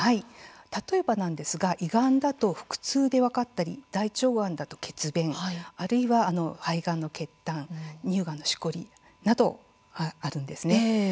例えば胃がんだと腹痛で分かったり大腸がんだと血便肺がんの血たん乳がんのしこりなどがあるんです。